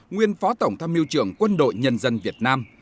nguyên phó tổng tham mưu trưởng quân đội nhân dân việt nam